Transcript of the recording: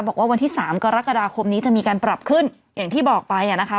วันที่สามกรกฎาคมนี้จะมีการปรับขึ้นอย่างที่บอกไปอ่ะนะคะ